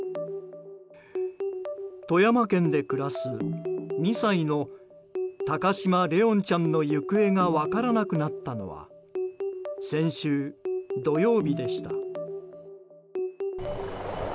富山県で暮らす２歳の高嶋怜音ちゃんの行方が分からなくなったのは先週土曜日でした。